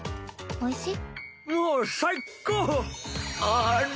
おいしい！